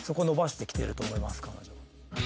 彼女は。